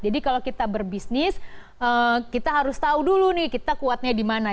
jadi kalau kita berbisnis kita harus tahu dulu nih kita kuatnya di mana